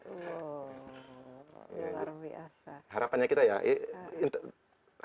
wow luar biasa